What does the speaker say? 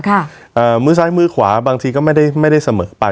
เอ่อมือซ้ายมือขวาบางทีก็ไม่ได้ไม่ได้เสมอไป